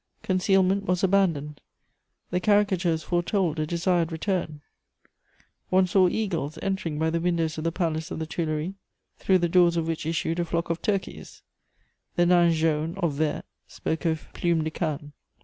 Concealment was abandoned; the caricatures foretold a desired return: one saw eagles entering by the windows of the Palace of the Tuileries, through the doors of which issued a flock of turkeys; the Nain jaune or vert spoke of "_plumes de cane.